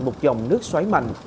một dòng nước xoáy mạnh